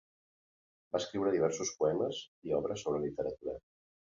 Va escriure diversos poemes i obres sobre literatura.